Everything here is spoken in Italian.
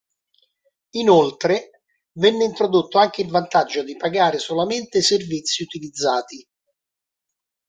Inoltre, venne introdotto anche il vantaggio di pagare solamente i servizi utilizzati.